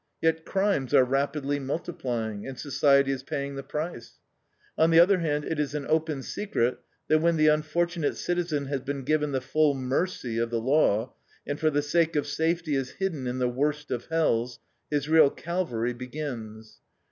Yet crimes are rapidly multiplying, and society is paying the price. On the other hand, it is an open secret that when the unfortunate citizen has been given the full "mercy" of the law, and for the sake of safety is hidden in the worst of hells, his real Calvary begins.